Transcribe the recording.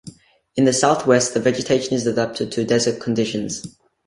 In the southwest, the vegetation is adapted to desert conditions.